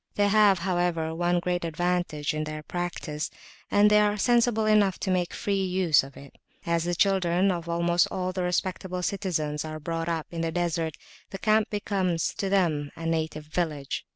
They have, however, one great advantage in their practice, and they are sensible enough to make free use of it. As the children of almost all the respectable citizens are brought up in the Desert, the camp becomes to them a native village.